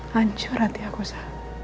hancur hati aku sa